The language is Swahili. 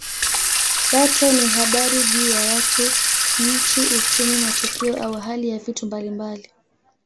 Data ni habari juu ya watu, nchi, uchumi, matukio au hali ya vitu mbalimbali.